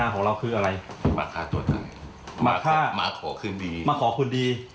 มาขอคืนดี